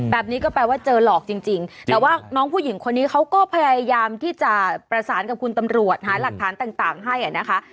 แบบนี้ก็แปลว่าเจอหลอกจริงแต่ว่าน้องผู้หญิงคนนี้เขาก็พยายามที่จะประสานกับคุณตำรวจหาหลักฐานต่างให้นะคะ